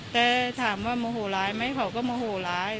แต่ถามว่าโมโหร้ายไหมเขาก็โมโหร้าย